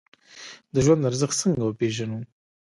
د ژوند ارزښت څنګه وپیژنو؟